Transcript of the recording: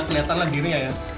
kelihatan langitnya ya